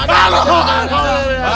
aduh aneh aneh aneh